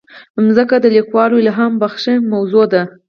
مځکه د لیکوالو الهامبخښه موضوع ده.